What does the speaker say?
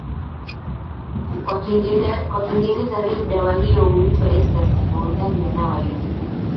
kwa Kiingereza rave Dawa hiyo huitwa ecstasy Wauzaji wa dawa hiyo